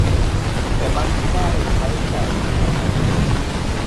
แต่มักได้ใช้จ่ายกับงานการกุศล